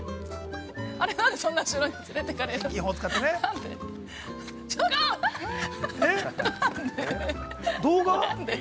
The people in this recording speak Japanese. ◆あれ、なんでそんな後ろに連れてかれるのなんで？